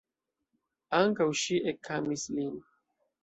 Ankaŭ ŝi ekamis lin.